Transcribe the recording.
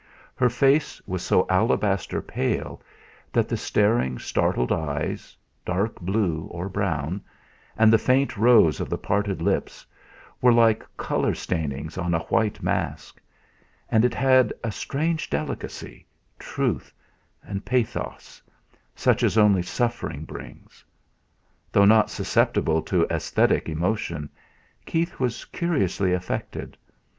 Her face was so alabaster pale that the staring, startled eyes, dark blue or brown, and the faint rose of the parted lips, were like colour stainings on a white mask; and it had a strange delicacy, truth, and pathos, such as only suffering brings. Though not susceptible to aesthetic emotion, Keith was curiously affected.